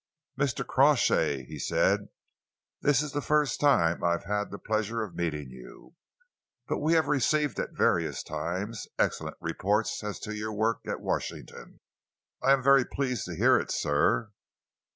"Mr. Crawshay," he said, "this is the first time I have had the pleasure of meeting you, but we have received at various times excellent reports as to your work at Washington." "I am very pleased to hear it, sir."